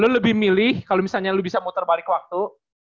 lu lebih milih kalo misalnya lu bisa muter balik waktu